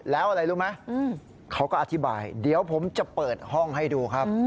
แล้วอะไรรู้ไหมเขาก็อธิบายเดี๋ยวผมจะเปิดห้องให้ดูครับ